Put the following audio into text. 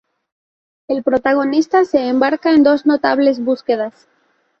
El protagonista se embarca en dos notables búsquedas.